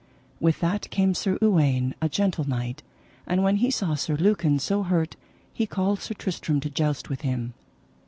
With that came Sir Uwaine, a gentle knight, and when he saw Sir Lucan so hurt he called Sir Tristram to joust with him.